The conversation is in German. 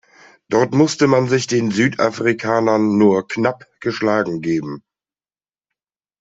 Dort musste man sich den Südafrikanern nur knapp geschlagen geben.